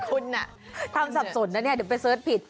คุณทำสับสนนะเนี่ยเดี๋ยวไปเสิร์ชผิด